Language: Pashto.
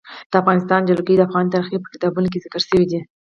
د افغانستان جلکو د افغان تاریخ په کتابونو کې ذکر شوی دي.